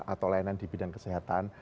atau layanan di bidang kesehatan